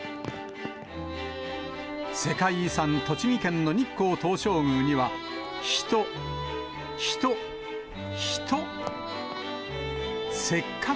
世界遺産、栃木県の日光東照宮には、人、人、人。